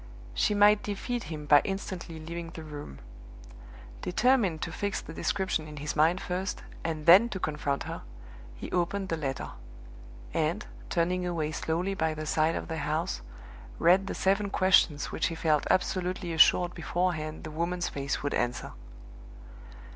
She might defeat him by instantly leaving the room. Determined to fix the description in his mind first, and then to confront her, he opened the letter; and, turning away slowly by the side of the house, read the seven questions which he felt absolutely assured beforehand the woman's face would answer.